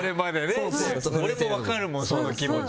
俺も分かるもん、その気持ち。